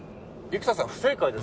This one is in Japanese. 「生田さん不正解です」。